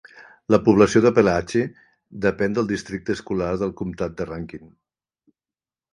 La població de Pelahatchie depèn del districte escolar del comtat de Rankin.